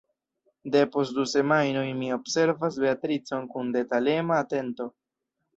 Depost du semajnoj mi observas Beatricon kun detalema atento.